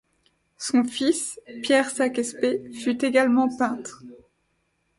Son fils, Pierre Sacquespée, fut également peintre.